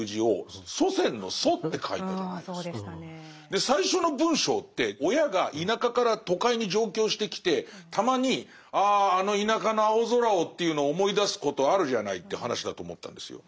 で最初の文章って親が田舎から都会に上京してきてたまにああの田舎の青空をというのを思い出すことあるじゃないって話だと思ったんですよ。